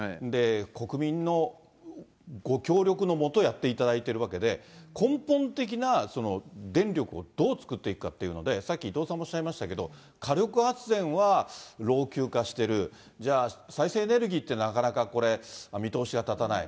国民のご協力のもと、やっていただいているわけで、根本的な電力をどう作っていくかというので、さっき伊藤さんもおっしゃいましたけど、火力発電は老朽化してる、じゃあ、再生エネルギーってなかなかこれ、見通しが立たない。